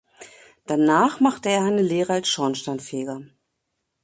Danach machte er eine Lehre als Schornsteinfeger.